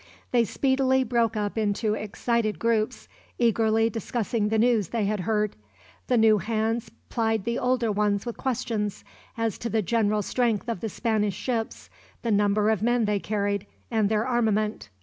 They speedily broke up into excited groups, eagerly discussing the news they had heard. The new hands plied the older ones with questions, as to the general strength of the Spanish ships, the number of men they carried, and their armament.